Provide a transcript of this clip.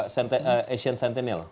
jangan lupa asian sentinel